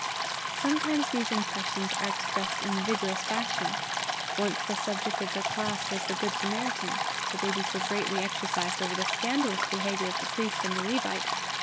Sometimes these impressions are expressed in vigorous fashion. Once the subject of the class was the Good Samaritan. The babies were greatly exercised over the scandalous behaviour of the priest and the Levite.